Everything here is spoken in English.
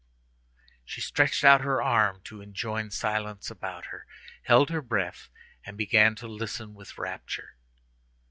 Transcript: She stretched out her arm to enjoin silence about her, held her breath, and began to listen with rapture.